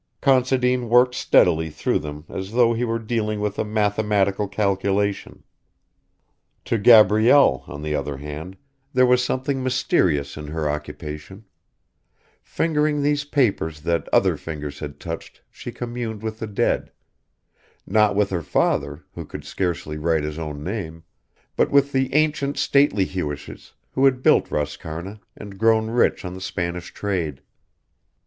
Considine worked steadily through them as though he were dealing with a mathematical calculation. To Gabrielle, on the other hand, there was something mysterious in her occupation; fingering these papers that other fingers had touched she communed with the dead not with her father, who could scarcely write his own name, but with the ancient stately Hewishes who had built Roscarna and grown rich on the Spanish trade.